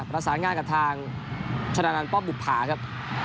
ประสานงานกับทางชนะนันป้อมบุภาครับ